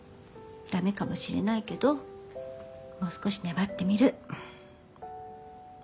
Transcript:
ダメかもしれないけどもう少し粘ってみる。